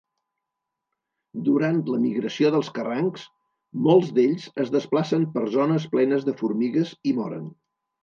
Durant la migració dels carrancs, molts d'ells es desplacen per zones plenes de formigues i moren.